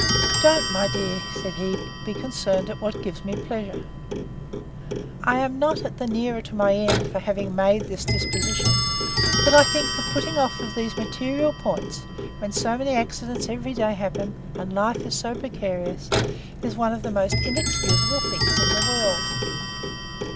Don't, my dear, said he, be concerned at what gives me pleasure. I am not the nearer my end, for having made this disposition; but I think the putting off these material points, when so many accidents every day happen, and life is so precarious, is one of the most inexcusable things in the world.